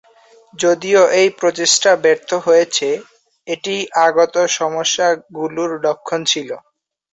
যদিও এই প্রচেষ্টা ব্যর্থ হয়েছে, এটি আগত সমস্যা গুলোর লক্ষণ ছিল।